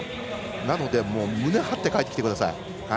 なので、胸張って帰ってきてください。